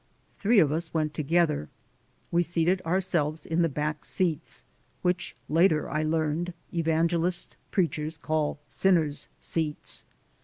Three of us went together. We seated ourselves in the back seats, which, later I learned, evangelist preachers call "sinners' seats."